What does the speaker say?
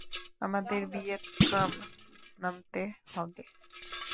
আমাদের ভিয়েনায় নামতে হবে।